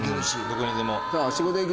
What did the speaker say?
どこにでも。